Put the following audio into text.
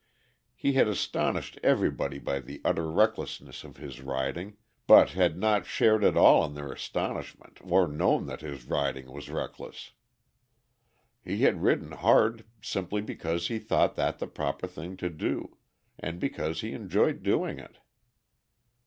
He had astonished everybody by the utter recklessness of his riding, but had not shared at all in their astonishment or known that his riding was reckless. He had ridden hard simply because he thought that the proper thing to do and because he enjoyed doing it.